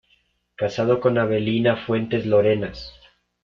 Casado con Avelina Fuentes Larenas.